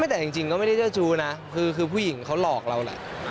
แต่จริงก็ไม่ได้เจ้าชู้นะคือผู้หญิงเขาหลอกเราแหละ